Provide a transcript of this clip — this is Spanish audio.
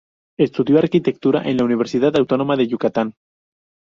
Estudio arquitectura en la Universidad Autónoma de Yucatán.